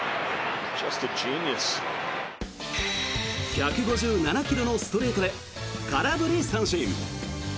１５７ｋｍのストレートで空振り三振。